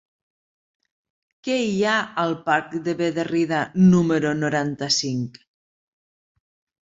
Què hi ha al parc de Bederrida número noranta-cinc?